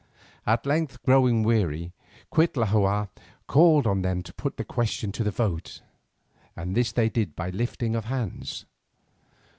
At length growing weary, Cuitlahua called on them to put the question to the vote, and this they did by a lifting of hands.